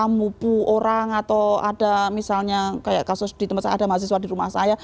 mubu orang atau ada misalnya kayak kasus di tempat saya ada mahasiswa di rumah saya